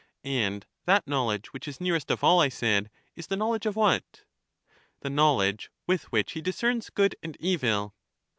And that knowledge which is nearest of all, I said, is the knowledge of what? The knowledge with which he discerns good and evil.